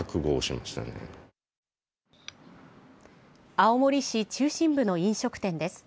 青森市中心部の飲食店です。